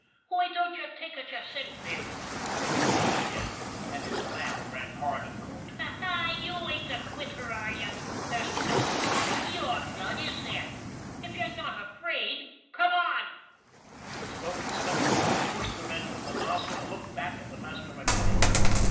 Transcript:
" Why don't you take it there yourself, then ?" said Gilleen again, and his laugh rang hard and cold. " You ain't a quitter, are you? There's nothin' wrong with your blood, is there ? If you're not afraid come on !" as he spoke he stepped forward, pushed the men from the nozzle and looked back at the master mechanic.